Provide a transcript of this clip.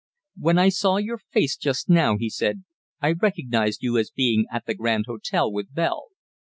"When I saw your face just now," he said, "I recognized you as being at the Grand Hotel with Bell.